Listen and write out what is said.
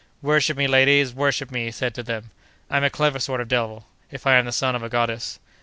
"Worship me, ladies! worship me!" he said to them. "I'm a clever sort of devil, if I am the son of a goddess."